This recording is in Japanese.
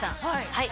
はい。